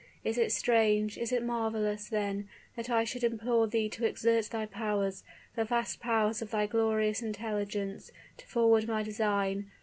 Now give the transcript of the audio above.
Is it strange is it marvelous, then, that I should implore thee to exert thy powers the vast powers of thy glorious intelligence, to forward my design?